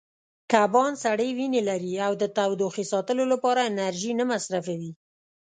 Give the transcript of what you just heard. کبان سړې وینې لري او د تودوخې ساتلو لپاره انرژي نه مصرفوي.